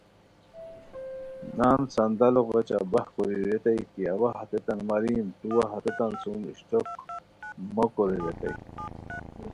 نان صندلو غیچہ باہ کوری ریتائے کی اوا ہتیتان ماریم تو وا ہتیتان سُم اشٹوک موکورے ریتائے